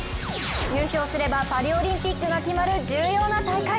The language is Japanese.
優勝すればパリオリンピックが決まる重要な大会。